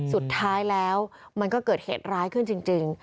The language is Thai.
สุดท้ายแล้วมันก็เกิดเหตุร้ายขึ้นจริง